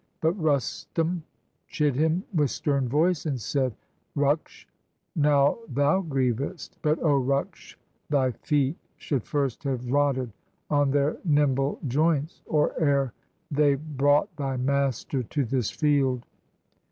But Rustum chid him with stern voice, and said: —" Ruksh, now thou grievest; but, O Ruksh, thy feet SOIIRAB'S LAST CONTEST Should first have rotted on their nimble joints, Or e'er they brought thy master to this field!"